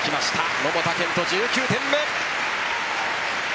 桃田賢斗、１９点目。